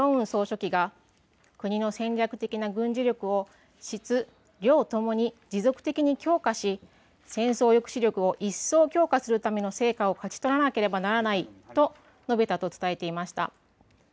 総書記が戦略的な軍事力を持続的に強化し戦争抑止力を一層強化するための成果を勝ち取らなければならないと述べたと伝えています。